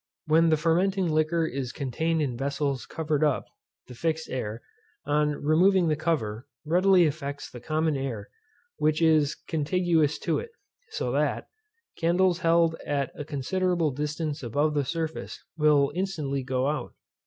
When the fermenting liquor is contained in vessels close covered up, the fixed air, on removing the cover, readily affects the common air which is contiguous to it; so that, candles held at a considerable distance above the surface will instantly go out.